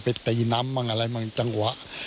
ไปตีน้ำบ้างอะไรบ้างจังหวะ